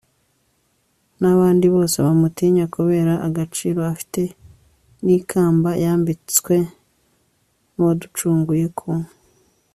n'abandi bose bamutinya, kubera agaciro afite n'ikamba yambitswe n'uwaducunguye ku